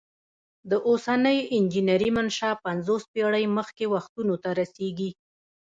د اوسنۍ انجنیری منشا پنځوس پیړۍ مخکې وختونو ته رسیږي.